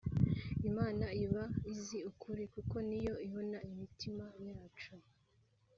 Imana iba izi ukuri kuko niyo ibona imitima yacu